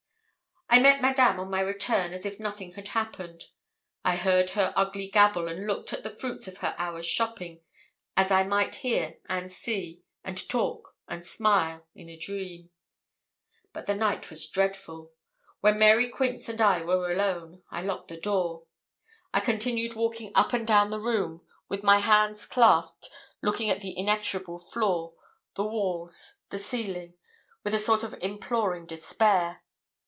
I met Madame on my return as if nothing had happened. I heard her ugly gabble, and looked at the fruits of her hour's shopping, as I might hear, and see, and talk, and smile, in a dream. But the night was dreadful. When Mary Quince and I were alone, I locked the door. I continued walking up and down the room, with my hands clasped, looking at the inexorable floor, the walls, the ceiling, with a sort of imploring despair.